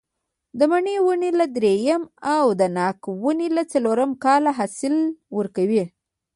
د مڼې ونې له درېیم او د ناک ونې له څلورم کال حاصل ورکوي.